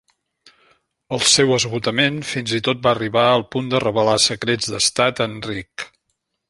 El seu esgotament fins i tot va arribar al punt de revelar secrets d'estat a Enric.